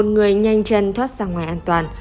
một mươi một người nhanh chân thoát sang ngoài an toàn